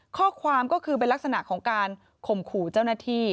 ข้อความก็คือเป็นลักษณะของการข่มขู่เจ้าหน้าที่